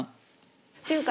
っていうか